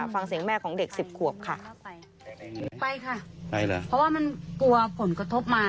ฟังเสียงแม่ของเด็ก๑๐ขวบค่ะ